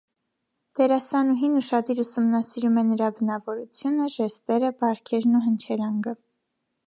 Դերասանուհին ուշադիր ուսումնասիրում է նրա բնավորությունը, ժեստերը, բարքերն ու հնչերանգը։